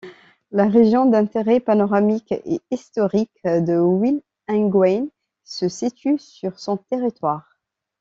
La région d'intérêt panoramique et historique de Wulingyuan se situe sur son territoire.